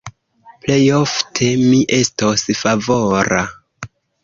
Plejofte mi estos favora.